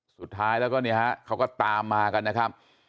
สุดท้ายแล้วก็เนี่ยฮะเขาก็ตามมากันนะครับ